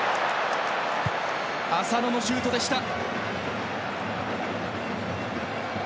浅野のシュートでした。